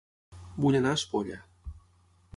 Vull anar a Espolla